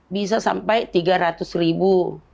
bisa sampai tiga ratus ribu